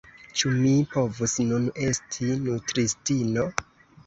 ĉu mi povus nun esti nutristino?